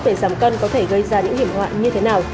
để giảm cân có thể gây ra những hiểm hoạn như thế nào